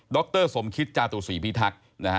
ดรสมคิตจาตุศรีพีทักษ์